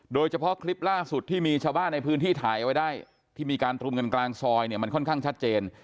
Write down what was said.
โดยเฉพาะคลิปล่าสุดที่มีชาวบ้านในพื้นที่ถ่ายเอาไว้ได้ที่มีการรุมกันกลางซอยเนี่ยมันค่อนข้างชัดเจน